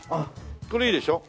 これいいでしょ？